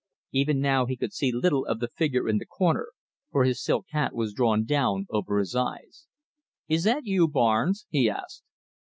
Even now he could see little of the figure in the corner, for his silk hat was drawn down over his eyes. "Is that you, Barnes?" he asked.